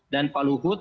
dan pak luhut